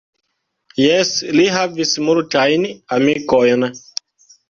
Jes, li havis multajn amikojn.